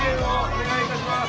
お願いします